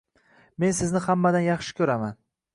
Men sizni hammadan yaxshi kuraman